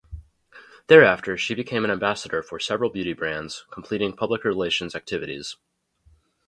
Thereafter she became an ambassador for several beauty brands, completing public relations activities.